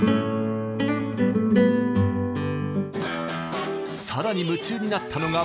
さらに夢中になったのがブルース。